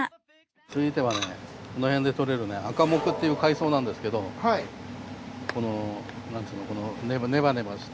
続いてはねこのへんで獲れるアカモクっていう海藻なんですけど。なんていうのネバネバした。